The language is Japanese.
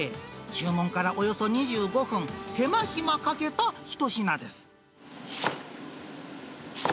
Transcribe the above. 注文からおよそ２５分、手間暇かけた一品です。